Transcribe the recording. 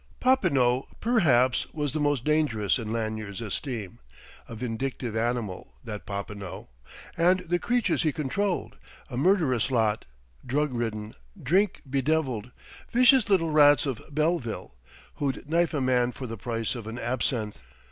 Popinot, perhaps, was the most dangerous in Lanyard's esteem; a vindictive animal, that Popinot; and the creatures he controlled, a murderous lot, drug ridden, drink bedevilled, vicious little rats of Belleville, who'd knife a man for the price of an absinthe.